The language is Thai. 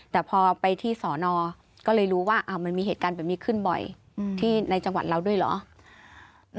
แต่พอไปที่สอนอก็เลยรู้ว่ามันมีเหตุการณ์แบบนี้ขึ้นบ่อยที่ในจังหวัดเราด้วยเหรอ